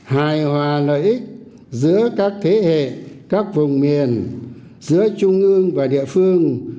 hài hòa lợi ích giữa các thế hệ các vùng miền giữa trung ương và địa phương